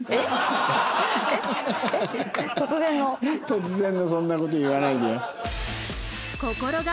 突然のそんな事言わないでよ。